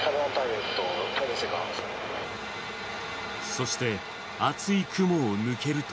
そして、厚い雲を抜けると。